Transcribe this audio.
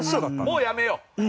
もうやめよう。